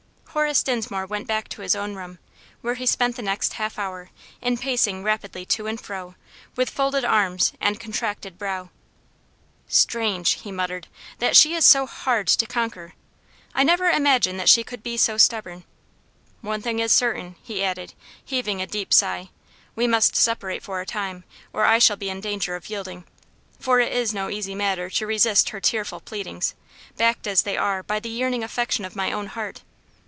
Horace Dinsmore went back to his own room, where he spent the next half hour in pacing rapidly to and fro, with folded arms and contracted brow. "Strange!" he muttered, "that she is so hard to conquer. I never imagined that she could be so stubborn. One thing is certain," he added, heaving a deep sigh; "we must separate for a time, or I shall be in danger of yielding; for it is no easy matter to resist her tearful pleadings, backed as they are by the yearning affection of my own heart.